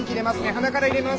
鼻から入れます。